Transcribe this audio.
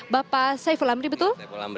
bapak saiful amri betul